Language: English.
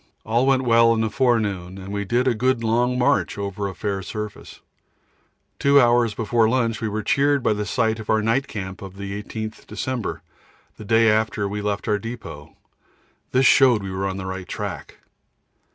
All went well in the forenoon, and we did a good long march over a fair surface. Two hours before lunch we were cheered by the sight of our night camp of the 18th December, the day after we made our depôt this showed we were on the right track.